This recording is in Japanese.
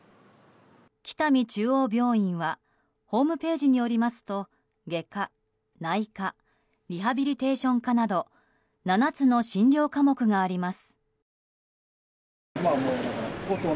北見中央病院はホームページによりますと外科、内科リハビリテーション科など７つの診療科目があります。